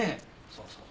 そうそう。